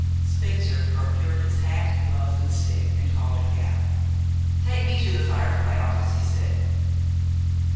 Spencer procured his hat, gloves, and stick, and called a cab. "Take me to 'The Firefly' office," he said.